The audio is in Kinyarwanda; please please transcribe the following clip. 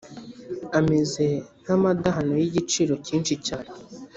ameze nk’amadahano y’igiciro cyinshi cyane